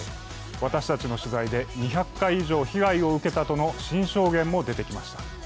私たちの取材で２００回以上被害を受けたとの新証言も出てきました。